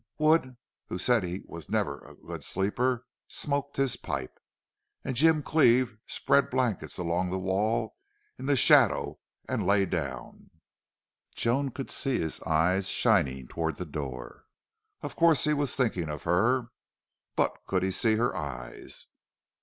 Wood, who said he was never a good sleeper, smoked his pipe. And Jim Cleve spread blankets along the wall in the shadow and and lay down. Joan could see his eyes shining toward the door. Of course he was thinking of her. But could he see her eyes?